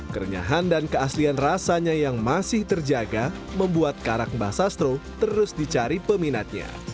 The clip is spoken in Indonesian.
kerenyahan dan keaslian rasanya yang masih terjaga membuat karak mbah sastro terus dicari peminatnya